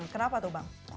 kenapa tuh bang